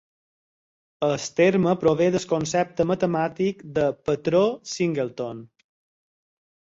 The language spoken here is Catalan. El terme prové del concepte matemàtic de patró "singleton".